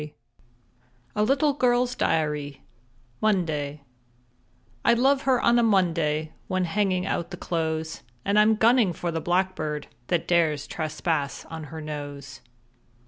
_ A LITTLE GIRL'S DIARY Monday _I love her on a Monday When hanging out the clothes, And I'm gunning for the blackbird That dares trespass on her nose.